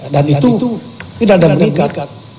dan itu tidak ada berikat